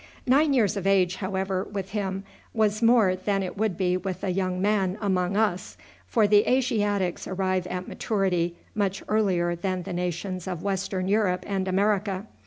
Nine years of age, however, with him was more than it would be with a young man among us, for the Asiatics arrive at maturity much earlier than the nations of Western Europe and America.